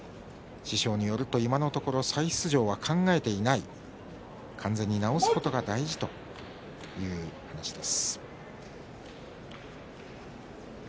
師匠によると今のところ再出場は考えていない完全に治す方が大事という話です。